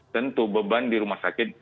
tentu beban di rumah sakit